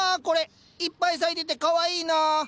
これいっぱい咲いててかわいいなあ。